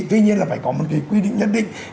tuy nhiên là phải có một cái quy định nhất định